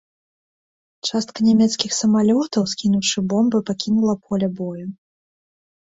Частка нямецкіх самалётаў, скінуўшы бомбы, пакінула поле бою.